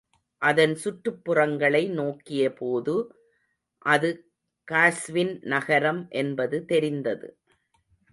அதன் சுற்றுப்புறங்களை நோக்கிய போது அது காஸ்வின் நகரம் என்பது தெரிந்தது.